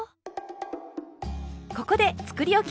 ここでつくりおき